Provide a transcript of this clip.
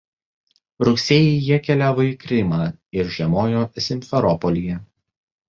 Rugsėjį jie keliavo į Krymą ir žiemojo Simferopolyje.